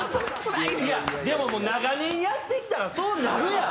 でももう長年やってきたらそうなるやん。